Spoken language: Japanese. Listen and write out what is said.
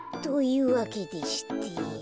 というわけでして。